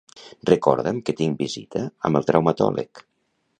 Recorda'm que tinc visita amb el traumatòleg.